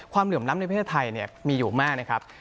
ความเหลื่อมล้ำในประเทศไทยมีอยู่มาก